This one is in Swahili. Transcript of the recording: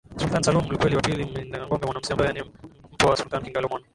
Sultan Salum Lukwele wa pili Mdimangombe Mwanamsumi ambaye ni Mpwa wa Sultan Kingalu Mwana